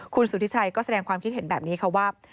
คุณสุธิชัยก็แสดงความคิดเห็นแบบนี้ค่ะว่า